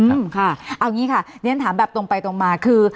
อืมค่ะเอางี้ค่ะเนี่ยถ้าถามแบบตรงไปตรงมาคือ